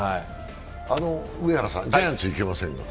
上原さん、ジャイアンツ、いけませんね。